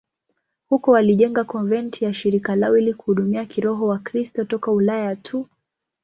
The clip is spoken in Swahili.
Huko walijenga konventi ya shirika lao ili kuhudumia kiroho Wakristo toka Ulaya tu.